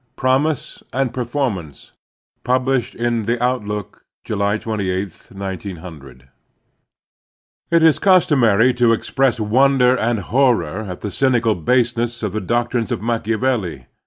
PROMISE AND PERFORMANCE Published in the "Outlook," July a8, 1900 X35 CHAPTER IX. PROMISE AND PBRFORMANCB. IT is customary to express wonder and horror at the cynical baseness of the doctrines of Machiavelli.